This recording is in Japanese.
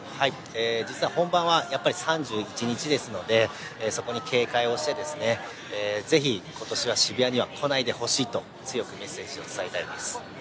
実は本番は３１日ですのでそこに警戒をして、ぜひ今年は渋谷には来ないでほしいと強くメッセージを伝えたいです。